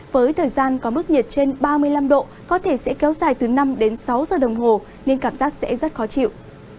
với thời gian có mức nhiệt trên ba mươi năm độ có thể sẽ kéo dài từ năm đến sáu giờ đồng hồ nên cảm giác sẽ rất khó chịu